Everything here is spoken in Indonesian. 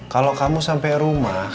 kalau kamu sampai rumah